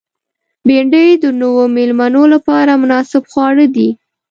بېنډۍ د نوو مېلمنو لپاره مناسب خواړه دي